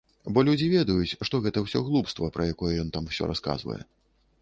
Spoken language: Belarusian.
Бо людзі ведаюць, што гэта ўсё глупства, пра якое ён там усё расказвае.